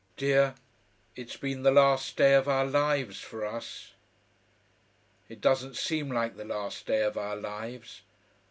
"Dear, it's been the last day of our lives for us.... It doesn't seem like the last day of our lives.